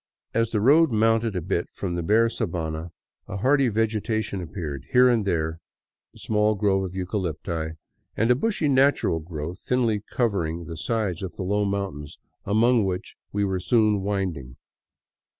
As the road mounted a bit from the bare sabana a hardy vege tation appeared, here and there a small grove of eucalypti, and a bushy natural growth thinly covering the sides of the low mountains among which we were soon winding.